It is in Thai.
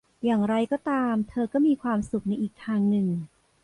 อย่างไรก็ตามเธอก็มีความสุขในอีกทางหนึ่ง